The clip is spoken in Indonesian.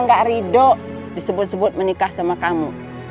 saya gak rido disebut sebut menikah sama kamu